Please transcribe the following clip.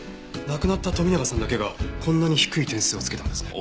亡くなった富永さんだけがこんなに低い点数をつけたんですね。